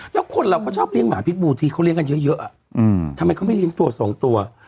แล้วคนเราก็ชอบเลี้ยหมาพิษบูทีเขาเลี้ยงกันเยอะทำไมเขาไม่เลี้ยงตัวสองตัว